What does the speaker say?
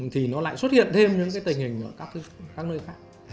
thì nó lại xuất hiện thêm những cái tình hình